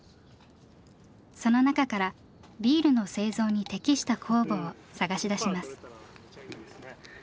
その中からビールの製造に適した酵母を探し出します。